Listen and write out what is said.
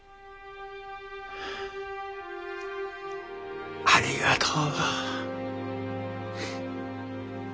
ありがとう。